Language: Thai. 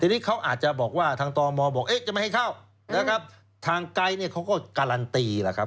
ทีนี้เขาอาจจะบอกว่าทางตมบอกเอ๊ะจะไม่ให้เข้านะครับทางไกด์เนี่ยเขาก็การันตีล่ะครับ